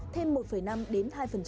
thêm một năm đến hai